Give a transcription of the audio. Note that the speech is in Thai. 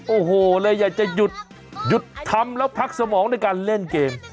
โอ้โหเลยอยากจะหยุดหยุดทำแล้วพักสมองด้วยการเล่นเกม